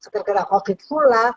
terkena covid pula